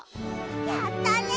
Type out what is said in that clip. やったね！